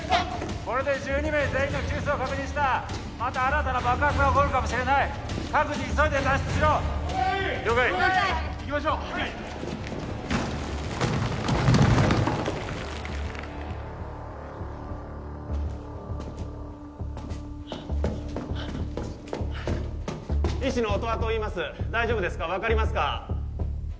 これで１２名全員の救出を確認したまた新たな爆発が起こるかもしれない各自急いで脱出しろ了解いきましょう医師の音羽といいます大丈夫ですか分かりますか？